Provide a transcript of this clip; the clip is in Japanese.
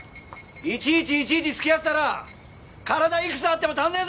いちいちいちいち付き合ってたら体いくつあっても足んねえぞ！